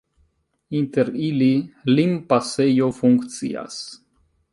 Inter ili limpasejo funkcias.